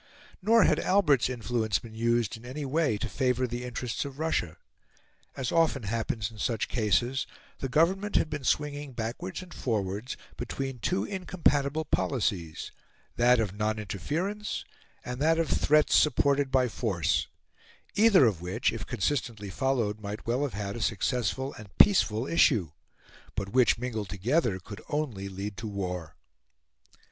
Nor had Albert's influence been used in any way to favour the interests of Russia. As often happens in such cases, the Government had been swinging backwards and forwards between two incompatible policies that of non interference and that of threats supported by force either of which, if consistently followed, might well have had a successful and peaceful issue, but which, mingled together, could only lead to war.